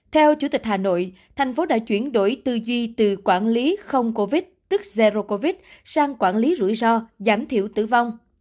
theo chủ tịch hà nội thành phố đã chuyển đổi tư duy từ quản lý không covid tức zero covid sang quản lý rủi ro giảm thiểu tử vong